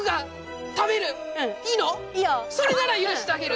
それなら許してあげる。